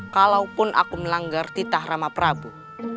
kalaupun aku melanggar titah rama prabu